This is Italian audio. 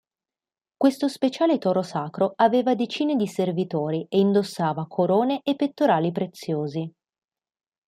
Questo speciale toro sacro aveva decine di servitori e indossava corone e pettorali preziosi.